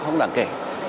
không đáng kể